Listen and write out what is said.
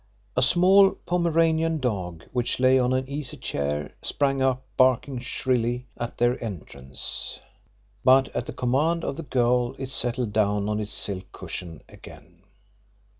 A small Pomeranian dog which lay on an easy chair, sprang up barking shrilly at their entrance, but at the command of the girl it settled down on its silk cushion again.